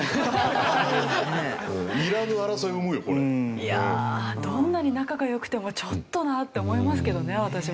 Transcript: いやあどんなに仲が良くてもちょっとなって思いますけどね私も。